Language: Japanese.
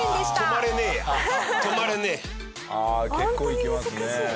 ああ結構いきますね。